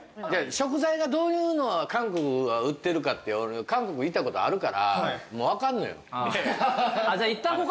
食材がどういうの韓国は売ってるかって韓国行ったことあるからもう分かんのよ。